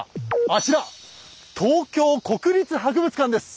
あちら東京国立博物館です。